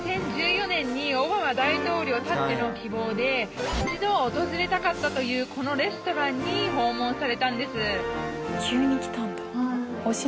２０１４年にオバマ大統領たっての希望で一度訪れたかったというこのレストランに訪問されたんです。